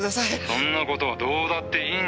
「そんな事はどうだっていいんだよ」